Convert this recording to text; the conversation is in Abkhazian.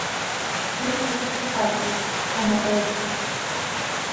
Урҭ рыԥсы ҭарҵоит анаҟәоуқәа.